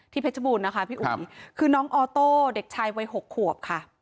เพชรบูรณนะคะพี่อุ๋ยคือน้องออโต้เด็กชายวัย๖ขวบค่ะ